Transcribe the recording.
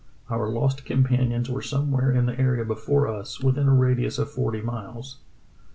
Our lost companions were somewhere in the area before us, within a radius of forty miles.